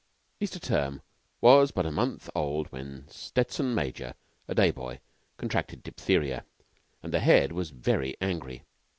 Easter term was but a month old when Stettson major, a day boy, contracted diphtheria, and the Head was very angry.